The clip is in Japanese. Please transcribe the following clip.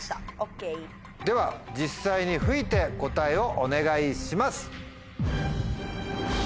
では実際に吹いて答えをお願いします。